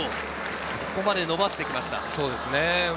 ここまで伸ばしてきました。